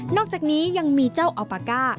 อกจากนี้ยังมีเจ้าอัลปาก้า